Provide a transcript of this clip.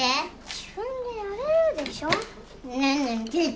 自分でやれるでしょ。ねーね。